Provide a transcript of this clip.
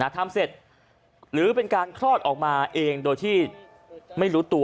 ทำเสร็จหรือเป็นการคลอดออกมาเองโดยที่ไม่รู้ตัว